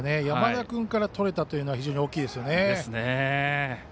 山田君からとれたというのは非常に大きいですよね。